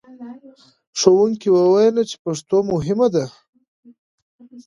ښوونکي وویل چې پښتو مهمه ده.